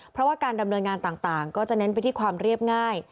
เพราะว่าการดำเนินงานต่างก็จะเน้นไปที่ความเรียบง่าย